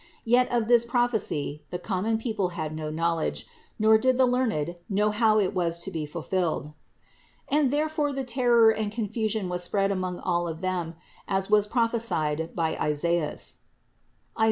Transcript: Yet of this prophecy the common people had no knowledge, nor did the learned know how it was to be fulfilled : and therefore the terror and confusion was spread among all of them, as was prophesied by Isaias (Is.